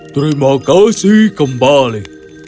terima kasih kembali